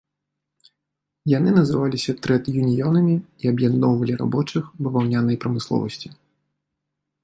Яны называліся трэд-юніёнамі і аб'ядноўвалі рабочых баваўнянай прамысловасці.